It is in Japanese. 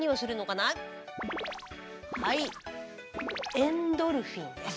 エンドルフィンです。